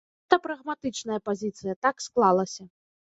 Гэта прагматычная пазіцыя, так склалася.